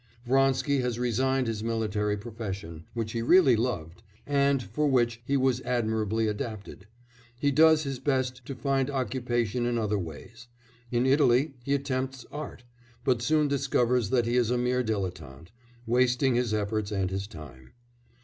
Vronsky has resigned his military profession, which he really loved, and for which he was admirably adapted; he does his best to find occupation in other ways; in Italy he attempts art, but soon discovers that he is a mere dilettante, wasting his efforts and his time.